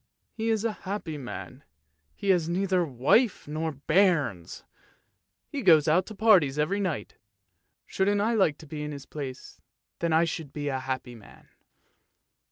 He's a happy man, he has neither wife nor bairns, he goes out to parties every night, shouldn't I like to be in his place, then I should be a happy man!